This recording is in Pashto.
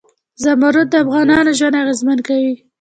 زمرد د افغانانو ژوند اغېزمن کوي.